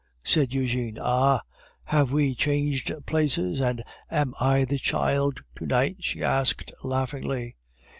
said Eugene. "Ah! have we changed places, and am I the child to night?" she asked, laughingly.